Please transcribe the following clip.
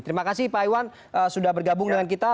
terima kasih pak iwan sudah bergabung dengan kita